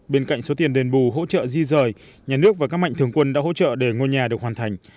bên cạnh số tiền đền bù hỗ trợ di rời nhà nước và các mạnh thường quân đã hỗ trợ để ngôi nhà được hoàn thành